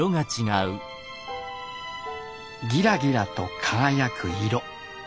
ギラギラと輝く色。